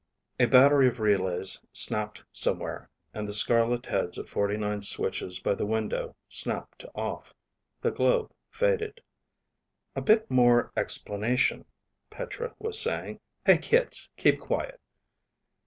A battery of relays snapped somewhere and the scarlet heads of forty nine switches by the window snapped to off. The globe faded. "A bit more explanation," Petra was saying. "Hey, kids, keep quiet."